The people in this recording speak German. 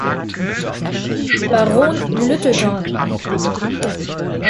Baron Lyttelton.